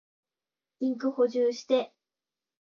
インク補充して。